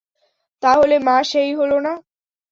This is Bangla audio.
তাহলে মা সে-ই হলো না?